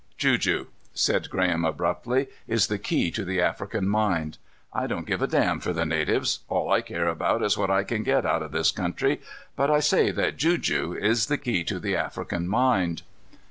"Juju," said Graham abruptly, "is the key to the African mind. I don't give a damn for the natives. All I care about is what I can get out of this country, but I say that juju is the key to the African mind."